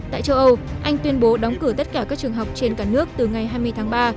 tại châu âu anh tuyên bố đóng cửa tất cả các trường học trên cả nước từ ngày hai mươi tháng ba